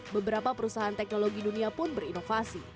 beberapa perusahaan teknologi dunia pun berinovasi